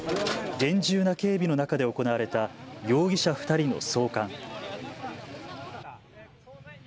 厳重な警備の中で行われた容疑者２人の送還。